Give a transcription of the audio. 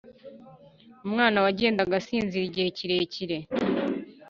umwana wagendaga asinzira igihe kirekire